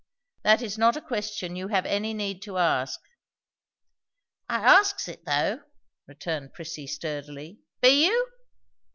"That is not a question you have any need to ask." "I asks it though," returned Prissy sturdily. "Be you?"